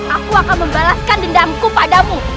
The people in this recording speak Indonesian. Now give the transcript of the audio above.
aku akan membalaskan dendamku padamu